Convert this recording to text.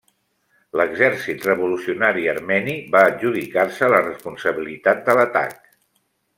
L'Exèrcit Revolucionari Armeni va adjudicar-se la responsabilitat de l'atac.